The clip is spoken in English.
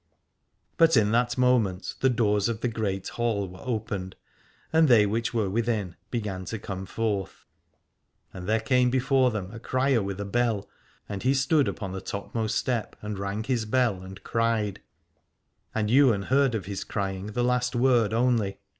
But in that moment the doors of the Great Hall were opened, and they which were within began to come forth. And there came before them a crier with a bell, and he stood upon the topmost step and rang his bell and cried : and Ywain heard of his crying the last word only.